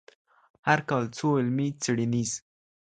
هر کال څو علمي څېړنيز